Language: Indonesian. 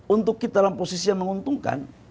untuk kita dalam posisi yang menguntungkan